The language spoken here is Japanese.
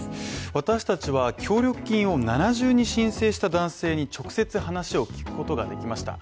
私達は協力金を７重に申請した男性に直接話を聞くことができました。